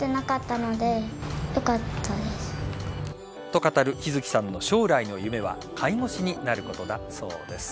と語る陽月さんの将来の夢は介護士になることだそうです。